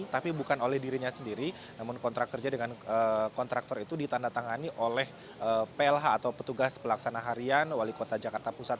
tapi bukan oleh dirinya sendiri namun kontrak kerja dengan kontraktor itu ditandatangani oleh plh atau petugas pelaksana harian wali kota jakarta pusat